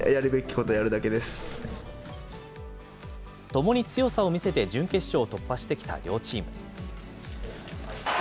ともに強さを見せて準決勝を突破してきた両チーム。